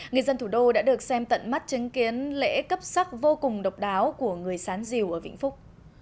người dân thủ đô đã được xem tận mắt chứng kiến lễ cấp sắc vô cùng độc đáo của người sán rìu ở vĩnh phúc